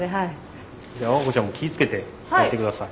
じゃあ和歌子ちゃんも気ぃ付けて帰って下さい。